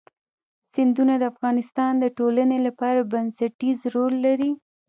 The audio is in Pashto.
سیندونه د افغانستان د ټولنې لپاره بنسټيز رول لري.